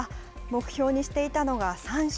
目標にしていたのが三賞。